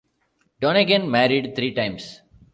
Donegan married three times.